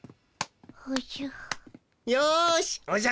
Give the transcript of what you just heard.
おじゃ。